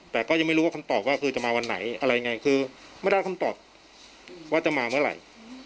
แต่ก็ยังไม่รู้ว่าคำตอบว่าคือจะมาวันไหนอะไรยังไงคือไม่ได้คำตอบว่าจะมาเมื่อไหร่